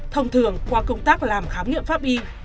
thông thường qua công tác làm khám nghiệm pháp y